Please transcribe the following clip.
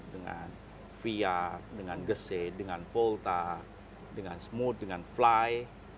dengan fia dengan gese dengan volta dengan smooth dengan fly